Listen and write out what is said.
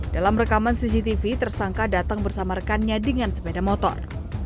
dalam rekaman cctv tersangka datang bersama rekannya dengan sepeda motor